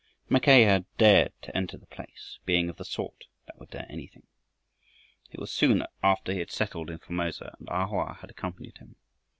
Mackay had dared to enter the place, being of the sort that would dare anything. It was soon after he had settled in Formosa and A Hoa had accompanied him.